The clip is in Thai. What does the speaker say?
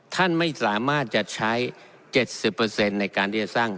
ท่านไม่สามารถจะใช้๗๐ในการที่จะสร้าง